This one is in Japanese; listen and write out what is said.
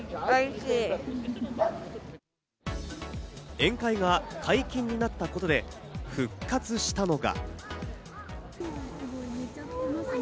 宴会が解禁になったことで復活したのが。